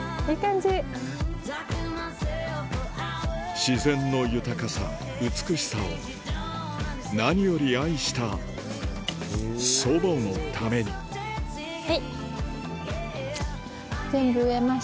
自然の豊かさ美しさを何より愛した祖母のためにはい。